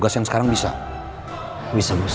justru sekolah juga mirip cadang rasulimu